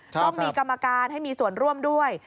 ต้องมีกรรมการให้มีส่วนร่วมด้วย